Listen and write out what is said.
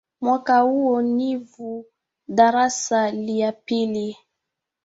Mwaka huo nivu darasa lya pili